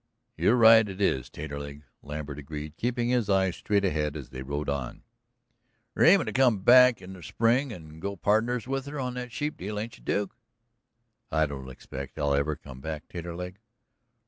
"You're right it is, Taterleg," Lambert agreed, keeping his eyes straight ahead as they rode on. "You're aimin' to come back in the spring and go pardners with her on the sheep deal, ain't you, Duke?" "I don't expect I'll ever come back, Taterleg."